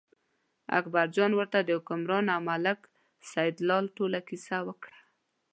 اکبرجان ورته د حکمران او ملک سیدلال ټوله کیسه وکړه.